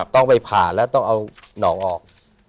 ต้องไปผ่าแล้วต้องเอาหนองออก